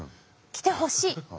来てほしい。